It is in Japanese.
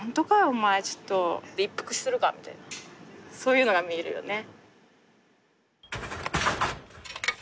お前ちょっと一服するか」みたいなそういうのが見えるよね。